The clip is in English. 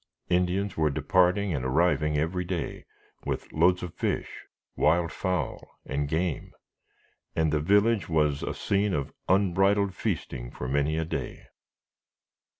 Indians were departing and arriving every day with loads of fish, wild fowl, and game, and the village was a scene of unbridled feasting for many a day.